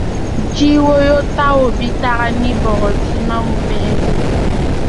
- Jii woyotaw bi taga ni bɔgɔdimanw bɛɛ ye ;